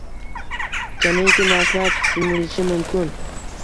jamiyki narsalar tushunilishi mumkin.